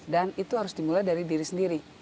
dan itu harus dimulai dari diri sendiri